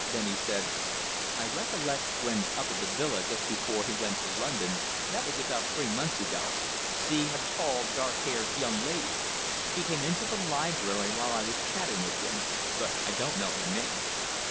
Then he said: "I recollect when up at the villa just before he went to London that was about three months ago seeing a tall, dark haired young lady. She came into the library while I was chatting with him. But I don't know her name."